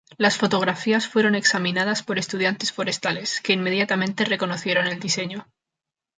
Las fotografías fueron examinadas por estudiantes forestales, que inmediatamente reconocieron el diseño.